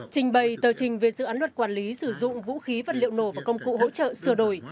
trình bày tờ trình về dự án luật quản lý sử dụng vũ khí vật liệu nổ và công cụ hỗ trợ sửa đổi